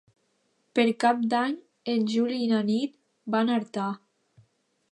Per Cap d'Any en Juli i na Nit van a Artà.